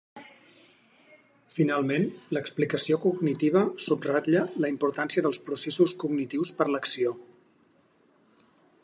Finalment, l'explicació cognitiva subratlla la importància dels processos cognitius per a l'acció.